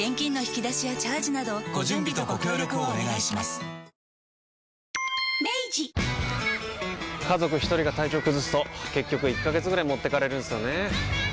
キリン「陸」家族一人が体調崩すと結局１ヶ月ぐらい持ってかれるんすよねー。